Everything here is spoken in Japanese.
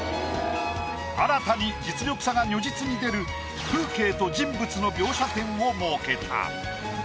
新たに実力差が如実に出る風景と人物の描写点を設けた。